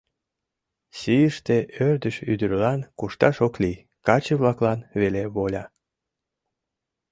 Сийыште ӧрдыж ӱдырлан кушташ ок лий, каче-влаклан веле воля.